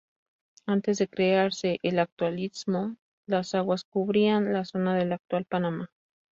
Antes de crearse el actual istmo, las aguas cubrían la zona del actual Panamá.